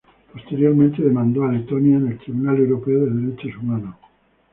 Posteriormente, demandó a Letonia en el Tribunal Europeo de Derechos Humanos.